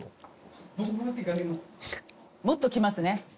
もっときますね。